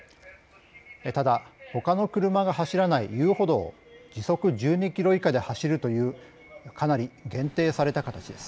ただほかの車が走らない遊歩道を時速１２キロ以下で走るというかなり限定された形です。